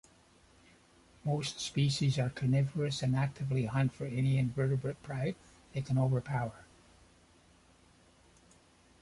Most species are carnivorous and actively hunt for any invertebrate prey they can overpower.